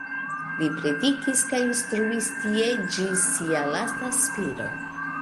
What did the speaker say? Li predikis kaj instruis tie ĝis sia lasta spiro.